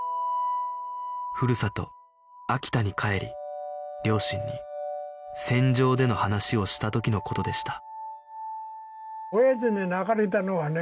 ふるさと秋田に帰り両親に戦場での話をした時の事でした